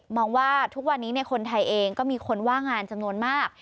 ว่าทุกวันนี้คนไทยเองก็มีคนว่างงานจำนวนมาก